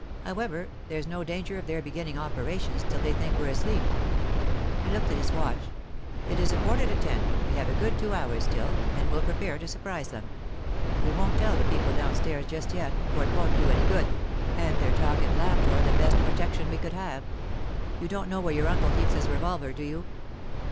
However, there's no danger of their beginning operations till they think we're asleep.' He looked at his watch. 'It is a quarter to ten. We have a good two hours still, and we'll prepare to surprise them. We won't tell the people downstairs just yet, for it won't do any good, and their talk and laughter are the best protection we could have. You don't know where your uncle keeps his revolver, do you?